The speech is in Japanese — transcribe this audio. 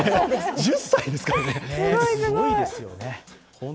１０歳ですからね、すごいですよね。